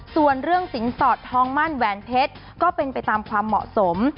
ส่วนเรื่องสินสอดทองมั่นแหวนเพชรก็เป็นไปตามความเหมาะสม